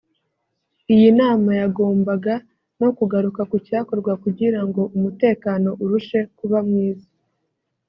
Iyi nama yagombaga no kugaruka ku cyakorwa kugira ngo umutekano urushe kuba mwiza